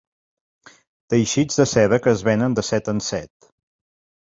Teixits de seda que es venen de set en set.